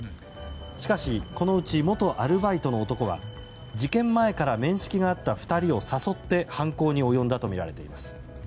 しかし、このうち元アルバイトの男は事件前から面識があった２人を誘って犯行に及んだとみられています。